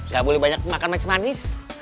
gak boleh banyak makan match manis